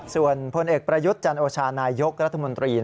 ส่วนพลเอกประยุทธ์จันโอชานายกรัฐมนตรี